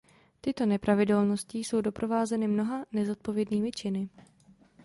Tyto nepravidelnosti jsou doprovázeny mnoha nezodpovědnými činy.